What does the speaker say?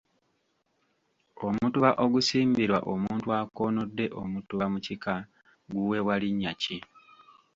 Omutuba ogusimbirwa omuntu akoonodde omutuba mu kika guweebwa linnya ki?